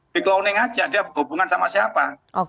di kloning aja dia berhubungan sama siapa